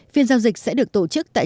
phiên giao dịch sẽ được tổ chức tại